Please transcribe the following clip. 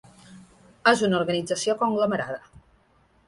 És una organització conglomerada.